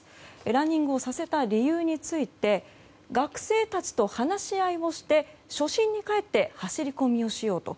ランニングをさせた理由について学生たちと話し合いをして初心に帰って走り込みをしようと。